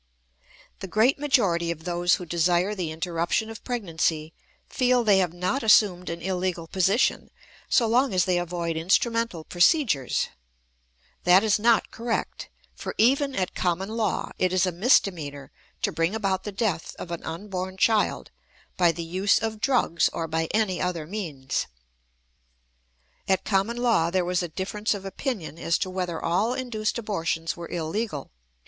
_ The great majority of those who desire the interruption of pregnancy feel they have not assumed an illegal position so long as they avoid instrumental procedures. That is not correct, for even at Common Law it is a misdemeanor to bring about the death of an unborn child by the use of drugs or by any other means. At Common Law there was a difference of opinion as to whether all induced abortions were illegal.